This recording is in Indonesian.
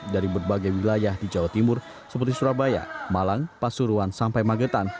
dari berbagai wilayah di jawa timur seperti surabaya malang pasuruan sampai magetan